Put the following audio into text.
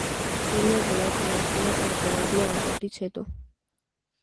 Ֆիլմը վերաթողարկվել է պատերազմի ավարտից հետո։